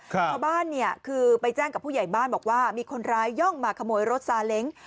ชาวบ้านเนี่ยคือไปแจ้งกับผู้ใหญ่บ้านบอกว่ามีคนร้ายย่องมาขโมยรถซาเล้ง